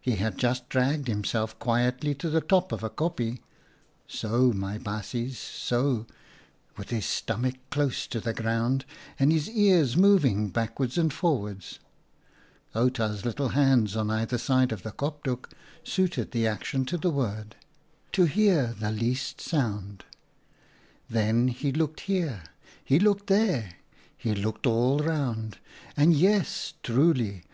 He had just dragged himself quietly to the top of a kopje — so, my baasjes, so — with his stomach close to the ground, and his ears moving backwards and forwards" — Outa's little hands, on either side of the kopdoek, suited the action to the word — "to hear the least sound. Then he looked here, he looked there, he looked all around, and yes, truly